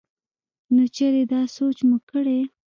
نو چرې دا سوچ مو کړے